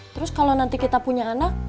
terus kalau nanti kita punya anak